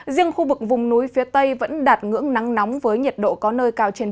riêng khu vực vùng núi phía tây vẫn đạt ngưỡng nắng nóng với nhiệt độ có nơi cao trên ba mươi